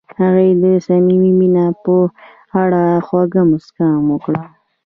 هغې د صمیمي مینه په اړه خوږه موسکا هم وکړه.